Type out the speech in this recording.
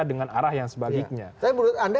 dengan arah yang sebaliknya tapi menurut anda